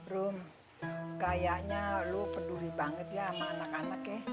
rum kayaknya lu peduli banget ya sama anak anak ya